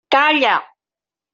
Calla!